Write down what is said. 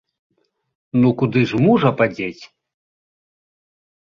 Ну куды ж мужа падзець?